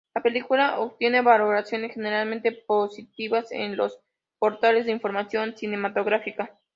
La película obtiene valoraciones generalmente positivas en los portales de información cinematográfica.